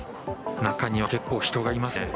中には結構人がいますね。